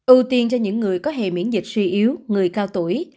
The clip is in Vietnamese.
ưu tiên cho những người có hề miễn dịch suy yếu người cao tuổi